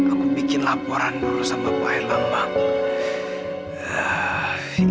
aku bikin laporan dulu sama pak air lambang